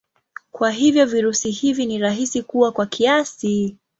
Kwa hivyo virusi hivi ni rahisi kuua kwa kiasi.